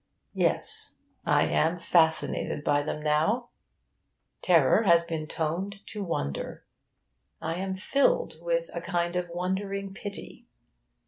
Yes, I am fascinated by them now. Terror has been toned to wonder. I am filled with a kind of wondering pity.